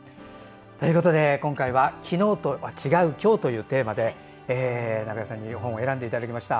今回は「昨日とは違う今日」というテーマで中江さんに本を選んでいただきました。